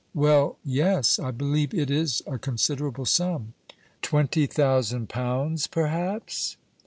"Well, yes; I believe it is a considerable sum." "Twenty thousand pounds, perhaps?"